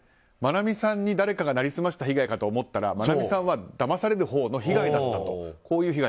マナミさんに誰かが成り済ました被害かと思ったらマナミさんはだまされるほうの被害だったと。